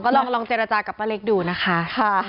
ก็ลองลองเจรจากับปะเล็กดูนะคะค่ะ